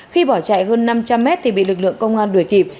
khi bỏ chạy hơn năm trăm linh mét thì bị lực lượng công an đuổi kịp